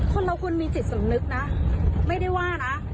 คนเราควรมีจิตสำนึกนะไม่ได้ว่านะ